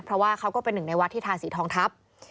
เพราะว่าเขาก็เป็นหนึ่งในวัดที่ทาสีทองทัพ